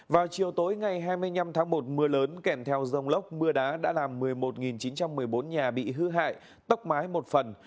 vào chiều tối ngày hai mươi năm tháng một mưa lớn kèm theo dông lốc mưa đá đã làm một mươi một chín trăm một mươi bốn nhà bị hư hại tốc mái một phần